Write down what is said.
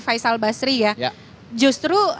faisal basri ya justru